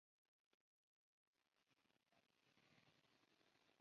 Tayasal fue el Tikal del posclásico.